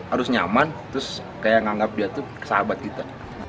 harus nyaman terus kayak nganggap dia tuh sahabat kita